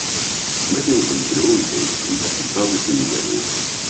Matteo Bandello y a écrit la plupart de ses nouvelles.